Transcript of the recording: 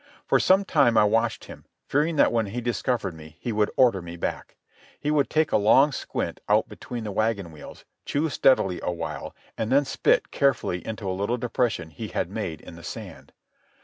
For some time I watched him, fearing that when he discovered me he would order me back. He would take a long squint out between the wagon wheels, chew steadily a while, and then spit carefully into a little depression he had made in the sand.